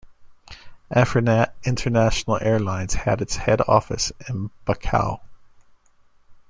Afrinat International Airlines had its head office in Bakau.